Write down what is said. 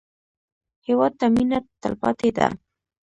هېواد ته مېنه تلپاتې ده